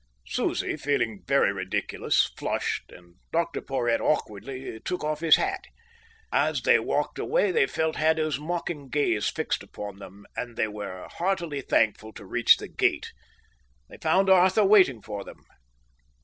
Susie, feeling very ridiculous, flushed, and Dr Porhoët awkwardly took off his hat. As they walked away, they felt Haddo's mocking gaze fixed upon them, and they were heartily thankful to reach the gate. They found Arthur waiting for them.